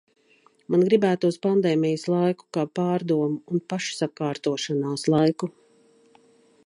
Man gribētos pandēmijas laiku kā pārdomu un pašsakārtošanās laiku.